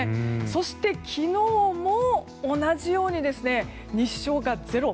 そして、昨日も同じように日照がゼロ。